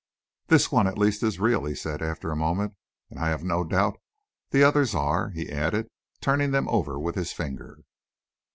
"This one, at least, is real," he said, after a moment. "And I have no doubt the others are," he added, turning them over with his finger.